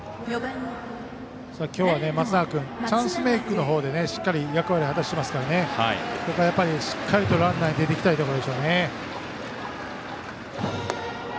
今日は松永君チャンスメイクのほうでしっかり役割を果たしていますからここはしっかりとランナー出て行きたいところでしょうね。